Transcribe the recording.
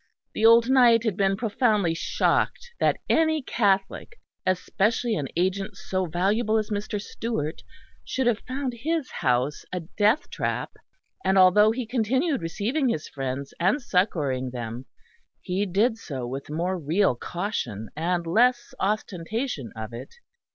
The old knight had been profoundly shocked that any Catholic, especially an agent so valuable as Mr. Stewart, should have found his house a death trap; and although he continued receiving his friends and succouring them, he did so with more real caution and less ostentation of it.